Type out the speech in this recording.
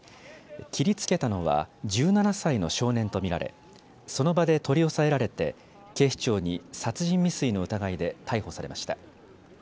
切りつけたのは１７歳の少年と見られその場で取り押さえられて警視庁に殺人未遂の疑いで逮捕されました。